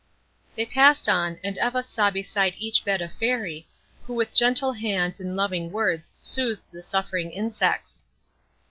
They passed on, and Eva saw beside each bed a Fairy, who with gentle hands and loving words soothed the suffering insects.